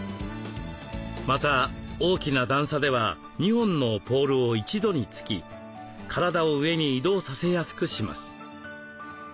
また大きな段差では２本のポールを一度に突き体を上に移動させやすくします。